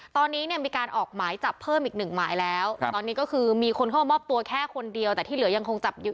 ตอนนี้เนี่ยมีการออกหมายจับเพิ่มอีกหนึ่งหมายแล้วตอนนี้ก็คือมีคนเข้ามามอบตัวแค่คนเดียวแต่ที่เหลือยังคงจับอยู่